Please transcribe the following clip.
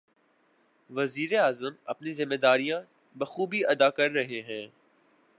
وزیر اعظم اپنی ذمہ داریاں بخوبی ادا کر رہے ہیں۔